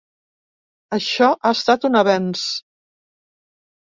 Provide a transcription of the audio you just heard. Això ha estat un avenç.